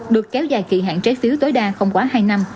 được kéo dài kỳ hạn trái phiếu tối đa không quá hai năm